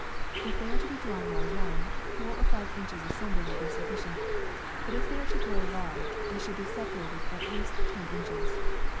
If they are to be drawn while young, four or five inches asunder will be sufficient ; but if they are to grow large, they should be separated at least ten inches.